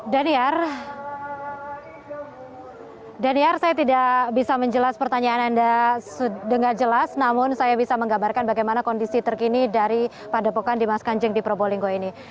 daniar daniar saya tidak bisa menjelaskan pertanyaan anda dengan jelas namun saya bisa menggambarkan bagaimana kondisi terkini dari pandepokan dimas kanjeng di probolinggo ini